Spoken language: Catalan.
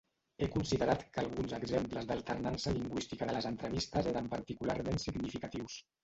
He considerat que alguns exemples d'alternança lingüística de les entrevistes eren particularment significatius.